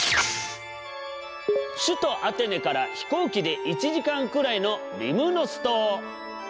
首都アテネから飛行機で１時間くらいのリムノス島。